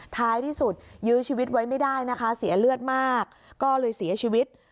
ท้ายที่สุดยื้อชีวิตไว้ไม่ได้นะคะเสียเลือดมากก็เลยเสียชีวิต